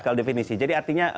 kalau definisi jadi artinya